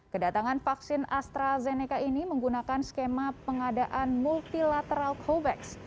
kedatangan vaksin astrazeneca ini menggunakan skema pengadaan multilateral covax